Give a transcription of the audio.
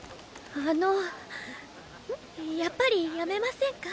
あのやっぱりやめませんか？